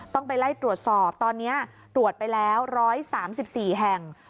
ต้องไปไล่ตรวจสอบตอนนี้ตรวจไปแล้ว๑๓๔แห่ง